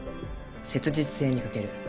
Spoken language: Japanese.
切実性に欠ける。